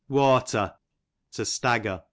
Wauter, to stagger. A.